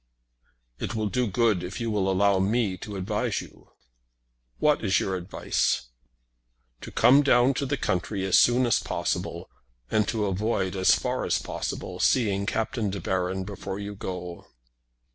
"It will do good if you will allow me to advise you." "What is your advice?" "To come down to the country as soon as possible, and to avoid, as far as possible, seeing Captain De Baron before you go."